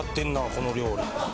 この料理。